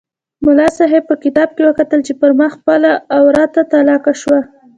ملا صاحب په کتاب کې وکتل چې پر ما خپله عورته طلاقه شوه.